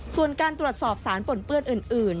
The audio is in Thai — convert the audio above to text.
ส่วนการตรวจสอบสารปนเปื้อนอื่น